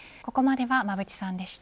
ここまでは馬渕さんでした。